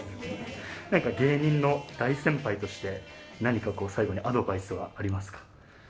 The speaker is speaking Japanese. なんか芸人の大先輩として、何か最後にアドバイスはありますか？